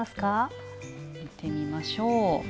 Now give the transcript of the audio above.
見てみましょう。